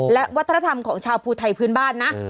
และวัฒนธรรมของชาวภูไทยพื้นบ้านนะ